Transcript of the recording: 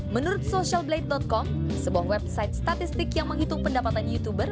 menurut socialblade com sebuah website statistik yang menghitung pendapatan youtuber